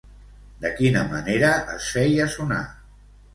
De quina manera es feia sonar?